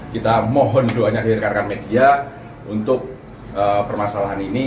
kita mohon doanya dari rekan rekan media untuk permasalahan ini